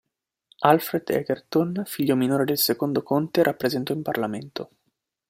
Alfred Egerton, figlio minore del secondo conte, rappresentò in Parlamento.